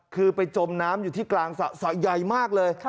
คือไปจมน้ำอยู่ที่กลางสระใหญ่มากเลย